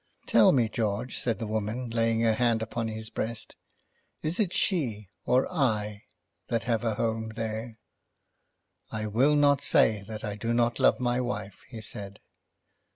"Tell me, George," said the woman, laying her hand upon his breast, "is it she or I that have a home there?" "I will not say that I do not love my wife," he said.